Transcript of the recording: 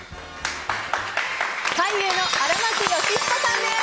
俳優の荒牧慶彦さんです。